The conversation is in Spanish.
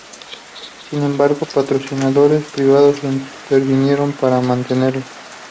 Sin embargo, patrocinadores privados intervinieron para mantenerlos.